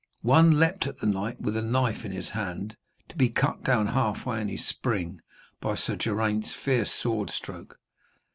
One leaped at the knight with a knife in his hand, to be cut down, halfway in his spring, by Sir Geraint's fierce sword stroke.